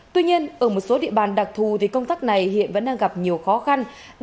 tuy nhiên ở một số địa bàn đặc thù thì công tác này hiện vẫn đang gặp nhiều khó khăn